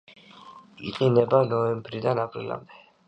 იყინება ნოემბრიდან აპრილამდე.